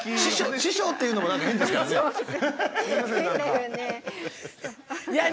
師匠っていうのも変ですからね。